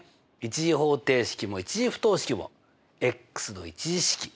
１次方程式も１次不等式もの１次式。